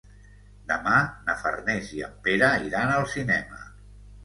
Demà na Farners i en Pere iran al cinema.